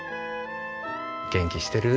元気してる？